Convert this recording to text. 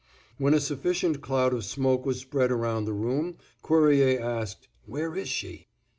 When a sufficient cloud of smoke was spread around the room, Cuerrier asked, "Where is she?"